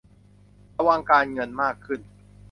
ระวังการเงินมากขึ้น